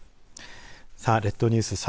さあ、列島ニュース